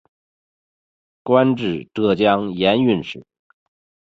官至浙江盐运使。